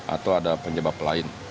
atau ada penyebab lain